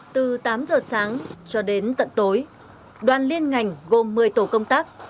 từ tám giờ sáng cho đến tận tối đoàn liên ngành gồm một mươi tổ công tác